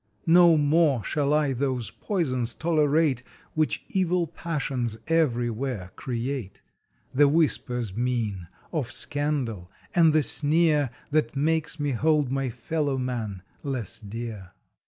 No more shall I those poisons tolerate Which evil passions everywhere create The whispers mean of scandal, and the sneer That makes me hold my fellow man less dear.